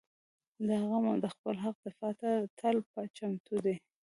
• دا قوم د خپل حق دفاع ته تل چمتو دی.